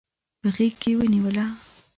په غیږ کې ونیوله